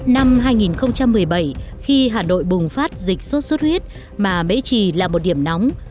năm hai nghìn một mươi bảy khi hà nội bùng phát dịch sốt xuất huyết mà mỹ trì là một điểm nóng